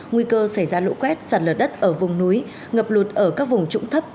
nguy cơ xảy ra lũ quét sạt lở đất ở vùng núi ngập lụt ở các vùng trũng thấp